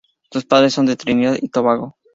Sus padres son de Trinidad y Tobago.